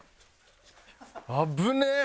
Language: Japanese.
危ねえ！